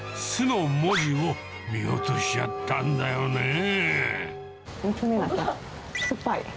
酢の文字を見落としちゃったんだよね。